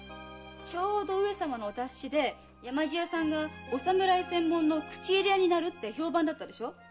ちょうど上様のお達しで山路屋さんがお侍専門の口入屋になるって評判だったでしょ？